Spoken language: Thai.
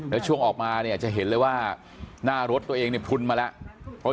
แล้วช่วงออกมาเนี่ยจะเห็นเลยว่าหน้ารถตัวเองเนี่ยพลุนมาแล้ว